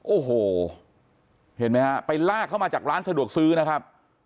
โอ้โหเห็นไหมฮะไปลากเข้ามาจากร้านสะดวกซื้อนะครับ